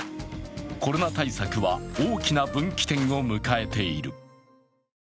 コロナ対策は、大きな分岐点を迎えている。